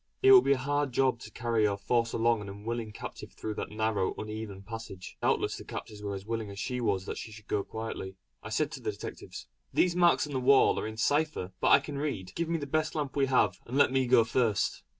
It would be a hard job to carry or force along an unwilling captive through that narrow uneven passage; doubtless the captors were as willing as she was that she should go quietly. I said to the detectives: "These marks on the wall are in a cipher which I can read. Give me the best lamp we have, and let me go first."